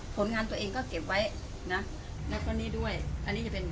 ผลงานตัวเองก็เก็บไว้นะแล้วก็นี่ด้วยอันนี้จะเป็น